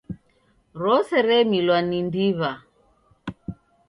Rose remilwa ni ndiw'a.